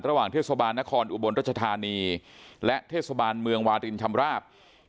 ระหว่างเทศบาลนครอุบลรัชธานีและเทศบาลเมืองวารินชำราบ